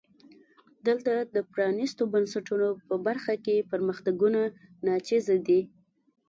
دلته د پرانیستو بنسټونو په برخه کې پرمختګونه ناچیزه دي.